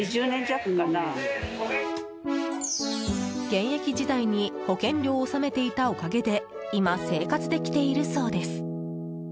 現役時代に保険料を納めていたおかげで今、生活できているそうです。